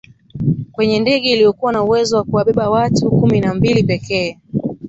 kwenye ndege iliyokuwa na uwezo wa kuwabeba watu kumi na mbili pekee